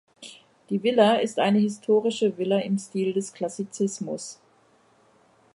Die Villa ist eine historische Villa im Stil des Klassizismus.